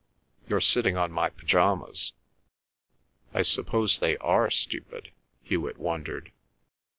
"You're sitting on my pyjamas." "I suppose they are stupid?" Hewet wondered.